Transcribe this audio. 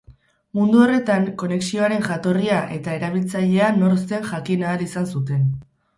Modu horretan, konexioaren jatorria eta erabiltzailea nor zen jakin ahal izan zuten.